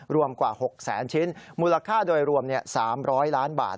รวมกว่า๖แสนชิ้นมูลค่าโดยรวม๓๐๐ล้านบาท